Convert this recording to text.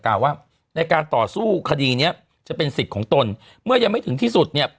กล่าวว่าในการต่อสู้คดีเนี้ยจะเป็นสิทธิ์ของตนเมื่อยังไม่ถึงที่สุดเนี่ย